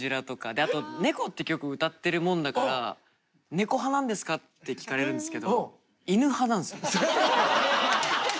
あと「猫」って曲歌ってるもんだから「猫派なんですか？」って聞かれるんですけど犬派なんですよ。